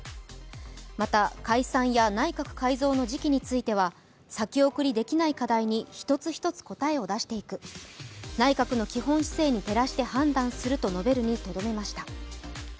また、解散や内閣改造の時期については先送りできない課題に一つ一つ答えを出していく、内閣の基本姿勢に照らして判断すると述べるにとどめました。